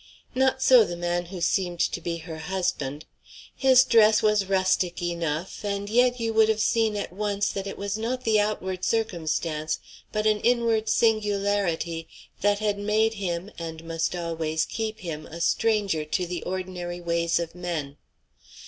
Not so the man who seemed to be her husband. His dress was rustic enough; and yet you would have seen at once that it was not the outward circumstance, but an inward singularity, that had made him and must always keep him a stranger to the ordinary ways of men.